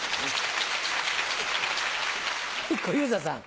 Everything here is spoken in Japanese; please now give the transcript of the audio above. はい小遊三さん。